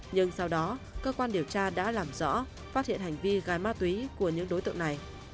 nhưng sau đó cơ quan điều tra đã làm rõ phát hiện hành vi gai ma túy của những đối tượng này